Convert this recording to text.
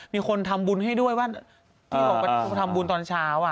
มีคนทำบุญให้ด้วยว่าที่บอกไปทำบุญตอนเช้า